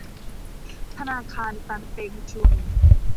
ธนาคารตันเปงชุน